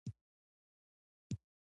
طلا د افغانستان د اقلیمي نظام ښکارندوی ده.